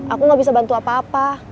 aku gak bisa bantu apa apa